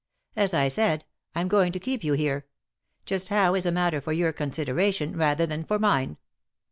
As I said, I'm going to keep you here ; just how is a matter for your con sideration rather than for mine."